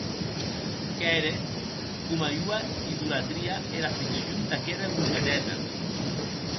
Qu’ère coma ua idolatria era afeccion d’aquera gojateta.